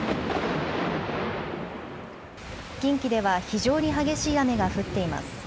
近畿では非常に激しい雨が降っています。